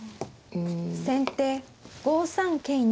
先手５三桂成。